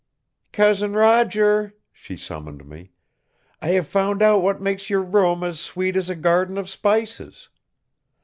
"Cousin Roger," she summoned me, "I have found out what makes your room as sweet as a garden of spices.